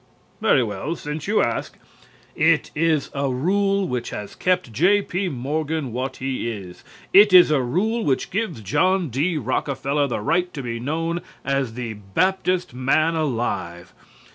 Very well, since you ask. It is a rule which has kept J.P. Morgan what he is. It is a rule which gives John D. Rockefeller the right to be known as the Baptist man alive.